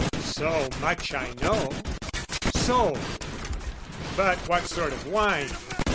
So much I know, "sold:" but what sort of wine?